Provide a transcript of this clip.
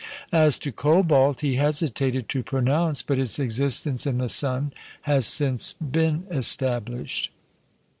As to cobalt, he hesitated to pronounce, but its existence in the sun has since been established.